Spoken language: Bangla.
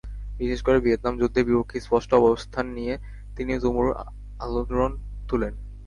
বিশেষ করে ভিয়েতনাম যুদ্ধের বিপক্ষে স্পষ্ট অবস্থান নিয়ে তিনি তুমুল আলোড়ন তোলেন।